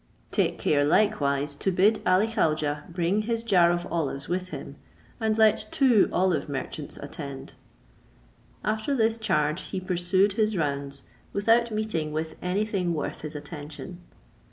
Take care likewise to bid Ali Khaujeh bring his jar of olives with him, and let two olive merchants attend." After this charge he pursued his rounds, without meeting with any thing worth his attention.